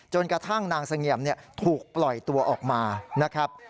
กระทั่งนางเสงี่ยมถูกปล่อยตัวออกมานะครับ